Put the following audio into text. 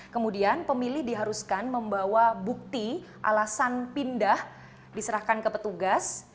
kemudian pemilih diharuskan membawa bukti alasan pindah diserahkan ke petugas